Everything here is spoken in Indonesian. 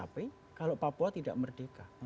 jadi mereka capek kalau papua tidak merdeka